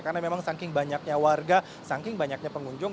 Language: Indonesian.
karena memang saking banyaknya warga saking banyaknya pengunjung